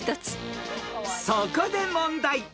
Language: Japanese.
［そこで問題］